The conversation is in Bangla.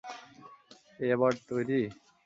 এবার, তৈরি?